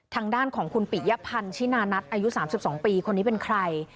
ทางด้านของคุณปิยพันธ์ชินานัทอายุ๓๒ปีคนนี้เป็นใคร